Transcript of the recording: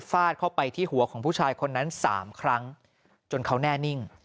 เข้าไปที่หัวของผู้ชายคนนั้น๓ครั้งจนเขาแน่นิ่ง